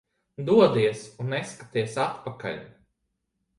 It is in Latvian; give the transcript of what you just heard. Dodies un neskaties atpakaļ.